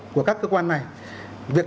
của các cơ quan này việc